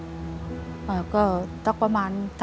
อ่าก็ต้องกว่าประมาณ